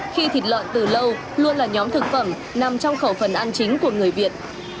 khi thịt lợn từ lâu luôn là nhóm thực phẩm nằm trong khẩu phần ăn chính của người việt